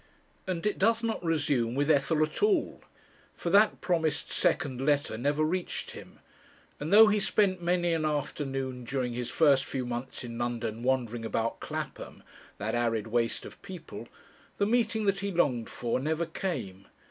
And it does not resume with Ethel at all. For that promised second letter never reached him, and though he spent many an afternoon during his first few months in London wandering about Clapham, that arid waste of people, the meeting that he longed for never came.